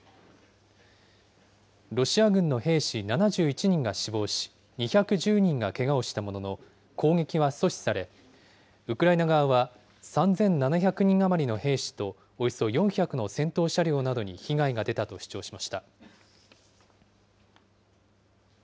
ロシア軍の兵士７１人が死亡し、２１０人がけがをしたものの、攻撃は阻止され、ウクライナ側は３７００人余りの兵士と、およそ４００の戦闘車両などに被害が出たと主張しました。